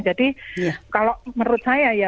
jadi kalau menurut saya ya